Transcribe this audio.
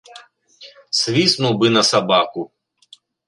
Свіснуў бы на сабаку.